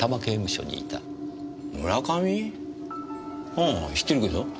ああ知ってるけど。